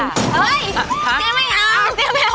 เฮ้ยเตี้ยไม่เอา